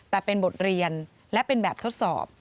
แต่เป็นบทเรียนและเป็นแบบทดสอบ